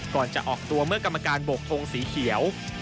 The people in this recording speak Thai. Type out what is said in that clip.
ก่อนจะออกตัวเมื่อกรรมการโบกทงสีเขียว